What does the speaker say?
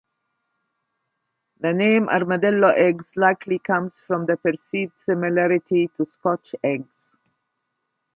The name Armadillo Eggs likely comes from the perceived similarity to Scotch Eggs.